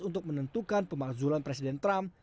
untuk menentukan pemakzulan presiden trump